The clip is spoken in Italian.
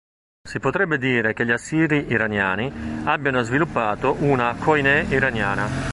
Si potrebbe dire che gli Assiri iraniani abbiano sviluppato una "koiné iraniana".